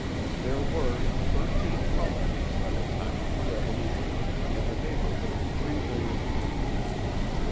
There were in the Thirteen Colonies at the time of the Revolution in the neighbourhood of three million people.